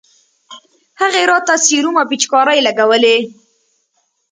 هغې راته سيروم او پيچکارۍ لګولې.